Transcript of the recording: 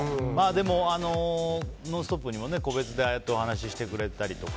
でも「ノンストップ！」にも個別でああやってお話してくれたりとか。